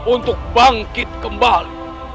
untuk bangkit kembali